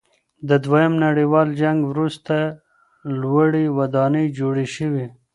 د دویم نړیوال جنګ وروسته لوړې ودانۍ جوړې شوې.